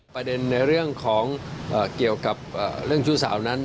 ในเรื่องของเกี่ยวกับเรื่องชู้สาวนั้น